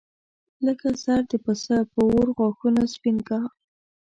لکه سر د پسه په اور غاښونه سپین کا.